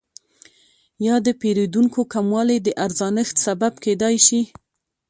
یا د پیرودونکو کموالی د ارزانښت سبب کیدای شي؟